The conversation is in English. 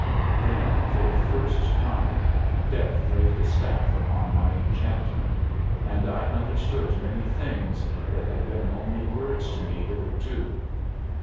Then for the first time Death laid his staff upon my enchantment, and I understood many things that had been only words to me hitherto.